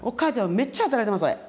めっちゃ働いてますこれ。